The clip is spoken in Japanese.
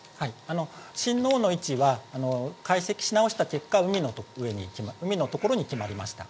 震央の位置は、解析し直した結果、海の上に、海の所に決まりました。